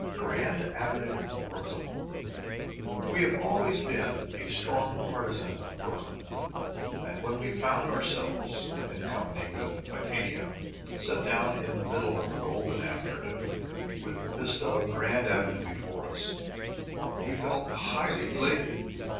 GRAND AVENUE, BROOKLYN We have always been a strong partisan of Brooklyn, and when we found ourself, in company with Titania, set down in the middle of a golden afternoon with the vista of Grand Avenue before us, we felt highly elated.